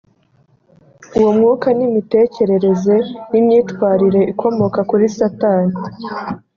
uwo mwuka ni imitekerereze n imyitwarire ikomoka kuri satani